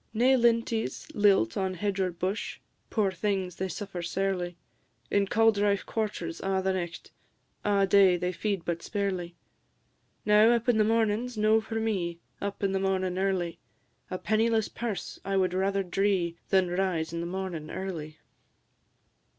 Nae linties lilt on hedge or bush: Poor things! they suffer sairly; In cauldrife quarters a' the nicht, A' day they feed but sparely. Now, up in the mornin's no for me, Up in the mornin' early; A pennyless purse I wad rather dree, Than rise in the mornin' early.